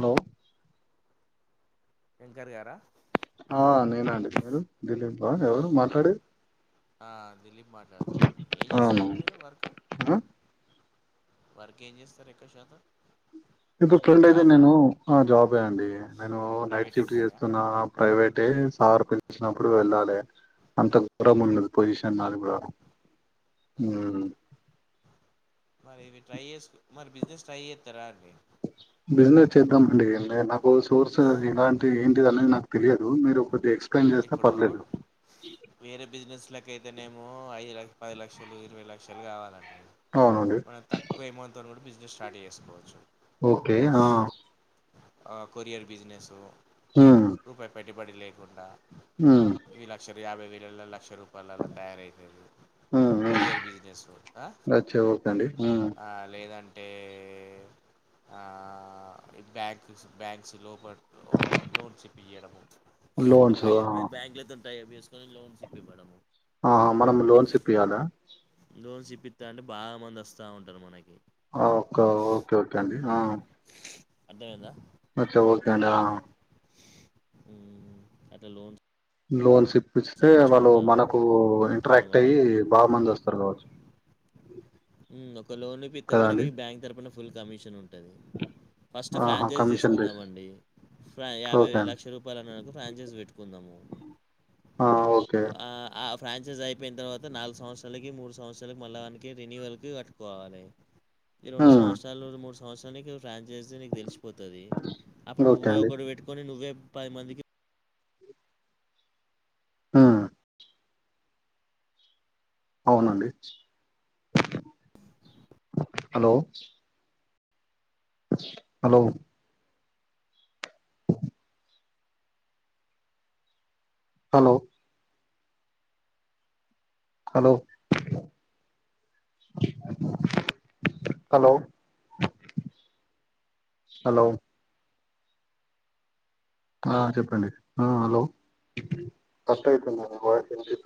Hello Venkat గారా ఆ నేనండి మీరు దిలీప్ బ ఎవరు మాట్లాడే ఆ దిలీప్ మాట్లాడుతున్నాను ఏం అవును చేస్తారండి మీరు వర్కు ఆ, వర్క్ ఏం చేస్తారు ఎక్క శాతం ఇంతకెలేది జాబా నేను ఆ జాబ్ అండి నేను నైట్ ప్రైవేట్ షిఫ్ట్ ఎంప్లాయా చేస్తున్నా ప్రైవేట్ అంటే సార్ పలిసినప్పుడు వెళ్ళాలి అంత ఘూరం ఉంది పొజిషన్ అది కూడా అ మరి ఇవి ట్రై చేసు మరి బిజినెస్ ట్రై చేస్తారా అండి బిజినెస్ చేద్దాం అండి ల నాకు తెలియదు మీరు ఒకటి ఎక్సప్ల్ ఇప్పుడు వేరే బిజినెస్ ఇకైతే నేమో ఐదు లక్ష పది లక్షలు ఇరవై లక్షలు కావాలండి అవునండి మనం తక్కువ అమౌంట్తో కూడా బిజినెస్ స్టార్ట్ చేసుకోవచ్చు ఓకే ఆ ఆ కొరియర్ బిజినెస్ హ రూపాయి పెట్టుబడి లేకుండా హ్మ్ ఇవి లక్ష యాభై వేలలో లక్ష రూ ళ తయారయ ఉమ్ కొరియర్ ఉమ్ బిజినెస్ అచ్చ ఓకే అండి ఉమ్. ఆ లేదం ఆ బ్యాంక్స్ బ్యాంక్స్ లోప లోన్ చెప్పయడము. లోన్స్ పైదు ఆ, పైవ్ బ్యాంకులతో టైేఅప్ ఏసుకుని లోన్స్ ఇప్పివ్వడం. ఆహా మనం లోన్స్ ఇప్పియాలా? ఎదో చెప్పిందానికి బా మంద్స్తా ఉంటారు మనకి. ఒ ఓకే ఓకే కే అండి ఆ అంతే కదా మచ్చా ఓకేండ ఆ ఊ అదే లోన్ [unintelligible] చే వాళ్ళు మనకు మనం ఇంటరాక్ట్ అట్లా అయ్యి బాగా మంది వస్తారు కావచ్చు ఊ ఒక లోన్పిత్త కదా కూడా మనకి అండి బ్యాంక్ తరపున ఫుల్ కమిషన్ ఉంటది. ఫస్ట్ ఆహా ఫ్రాంచైజ్ కమిషన్ బేస్ తీసుకుందామ అండి. ఫ్రా యాభై ఓకే అండి లక్ష రూపాయలు అన్నకు ఫ్రాంచైజ్ పెట్టుకుందాము. ఆ ఓకే ఆహ్, ఆ ఫ్రాంచైజ్ అయిపోయిన తర్వాత నాలుగు సంవత్సరాలకి, మూడు సంవత్సరాలకి మళ్ళా అందుకే రేన్యూవల్కి కట్టుకోవాలి. ఈ రెండు ఉమ్ సంవత్సరాలు మూడు సంవత్సరానికి ప్లాన్ చేస్తే నీకు తెలిసిపోతది. అప్పుడు ఓకే నువ్వే అండి ఒకటి పెట్టుకొని నువ్వే పది మందికి ఆ అవునండి హలో అస్ hello hello hello hello hello ఆ చెప్పండి ఆ హలో కట్ అయిపోయింది అండి వాయిస్ వినిపిస్త